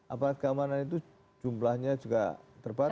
aparat keamanan itu jumlahnya juga terbatas